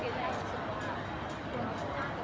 พี่แม่ที่เว้นได้รับความรู้สึกมากกว่า